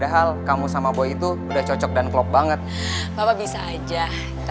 kan sama sama udah ada yang menikat